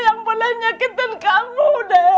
yang boleh nyakitkan kamu deh